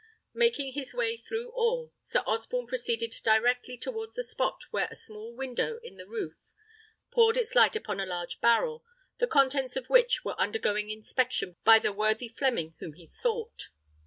Making his way through all, Sir Osborne proceeded directly towards the spot where a small window in the roof poured its light upon a large barrel, the contents of which were undergoing inspection by the worthy Fleming whom he sought.